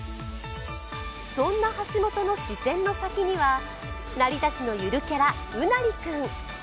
そんな橋本の視線の先には成田市のゆるキャラ、うなりくん。